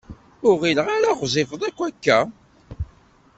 Ur ɣileɣ ara ɣezzifet akk akka.